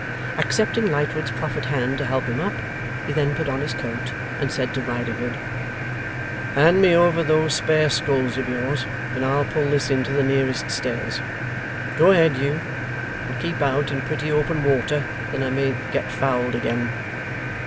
Accepting Lightwood's proffered hand to help him up, he then put on his coat, and said to Riderhood, 'Hand me over those spare sculls of yours, and I'll pull this in to the nearest stairs. Go ahead you, and keep out in pretty open water, that I mayn't get fouled again.